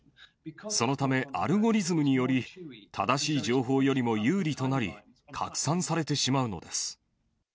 そのため、アルゴリズムにより、正しい情報よりも有利となり、拡散されてしまうのです。